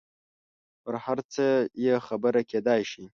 پر هر څه یې خبره کېدای شي.